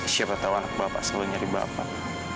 siapa tahu anak bapak selalu nyari bapak